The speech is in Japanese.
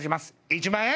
１万円！